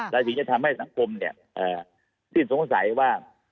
และสิ่งที่จะทำให้สังคมสิ่งสงสัยว่า